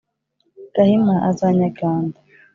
gahima azanyaga miganda.